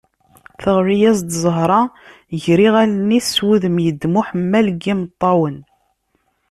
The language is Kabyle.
Teɣli-as-d Zahra gar yiɣallen-is s wudem yeddem uḥemmal n yimeṭṭawen.